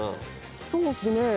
そうっすね。